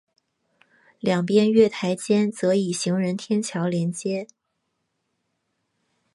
两边月台间则以行人天桥连接。